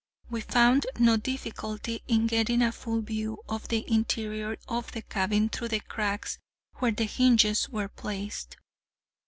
We found no difficulty in getting a full view of the interior of the cabin through the cracks where the hinges were placed.